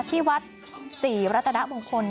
ที่วัดศรีวรษณะมงคล